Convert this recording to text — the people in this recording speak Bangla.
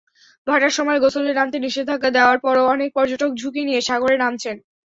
ভাটার সময় গোসলে নামতে নিষেধাজ্ঞা দেওয়ার পরও অনেক পর্যটক ঝুঁকি নিয়ে সাগরে নামছেন।